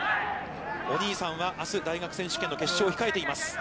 お兄さんはあす大学選手権の決勝を控えています。